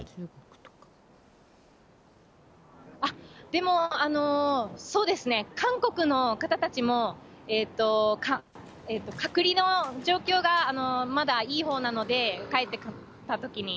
でも、そうですね、韓国の方たちも、隔離の状況がまだいいほうなので、かえってきたときに。